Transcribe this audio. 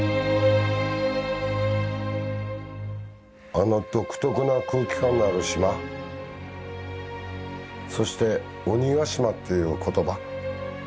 あの独特な空気感がある島そして鬼ヶ島という言葉。